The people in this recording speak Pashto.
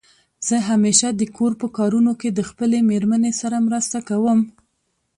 زه همېشه دکور په کارونو کې د خپلې مېرمنې سره مرسته کوم.